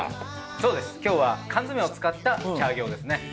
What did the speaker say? そうです今日は缶詰を使ったチャーギョウですね。